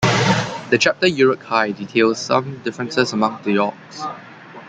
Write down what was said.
The chapter "The Uruk-hai" details some differences among the orcs.